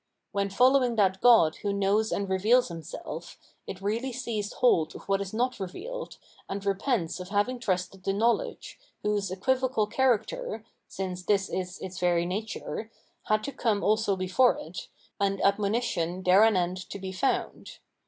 When following that god who knows and reveals himself, it really seized hold of what is not revealed, and repents of having trusted the knowledge, whose eqtdvocal character (since this is its very nature) had to come also before it, and admoni tion thereanent to be found.